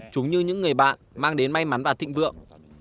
chúng như những người bạn mang đến may mắn và thịnh vượng